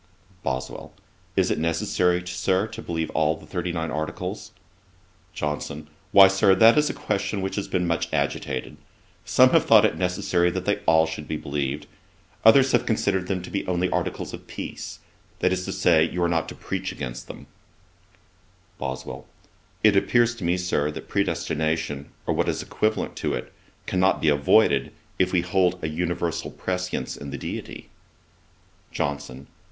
BOSWELL. 'Is it necessary, Sir, to believe all the thirty nine articles?' JOHNSON. 'Why, Sir, that is a question which has been much agitated. Some have thought it necessary that they should all be believed; others have considered them to be only articles of peace, that is to say, you are not to preach against them.' BOSWELL. 'It appears to me, Sir, that predestination, or what is equivalent to it, cannot be avoided, if we hold an universal prescience in the Deity.' JOHNSON.